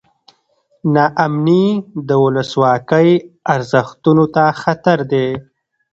نا امني د ولسواکۍ ارزښتونو ته خطر دی.